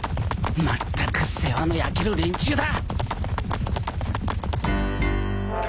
まったく世話の焼ける連中だ。